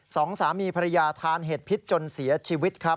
สองสามีภรรยาทานเห็ดพิษจนเสียชีวิตครับ